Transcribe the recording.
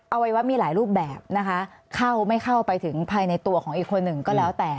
วัยวะมีหลายรูปแบบนะคะเข้าไม่เข้าไปถึงภายในตัวของอีกคนหนึ่งก็แล้วแต่